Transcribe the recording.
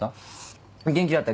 元気だった？